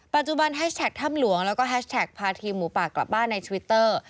ปัจจุบันแฮชแท็กถ้ำหลวงแล้วก็แฮชแท็กพาทีมหมูป่ากลับบ้านในทวิตเตอร์